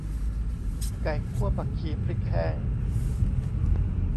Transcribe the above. ไก่คั่วผักชีพริกแห้ง